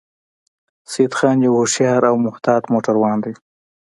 سیدخان یو هوښیار او محتاط موټروان دی